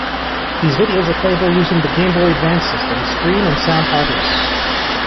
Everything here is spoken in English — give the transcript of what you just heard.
These videos are playable using the Game Boy Advance system's screen and sound hardware.